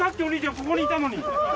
ここにいたのに。